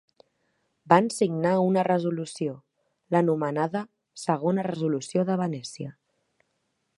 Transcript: Van signar una Resolució, l'anomenada "Segona Resolució de Venècia".